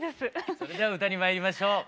それでは歌にまいりましょう。